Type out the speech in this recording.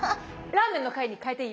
ラーメンの回に変えていい？